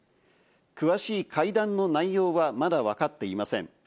詳しい会談の内容はまだ分かっていません。